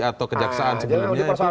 atau kejaksaan sebelumnya